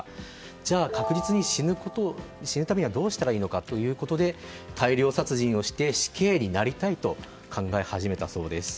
じゃあ、確実に死ぬためにはどうしたらいいのかということで大量殺人をして死刑になりたいと考え始めたそうです。